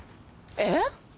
えっ？